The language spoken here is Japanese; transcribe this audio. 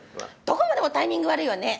どこまでもタイミング悪いわね！